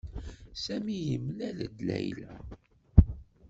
Sami yemlal-d Layla.